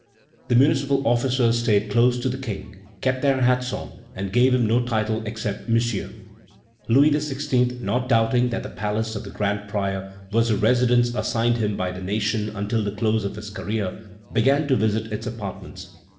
The municipal officers stayed close to the King, kept their hats on, and gave him no title except "Monsieur." Louis XVI., not doubting that the palace of the grand prior was the residence assigned him by the nation until the close of his career, began to visit its apartments.